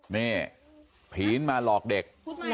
นี่ผีนมาหลอกเด็ก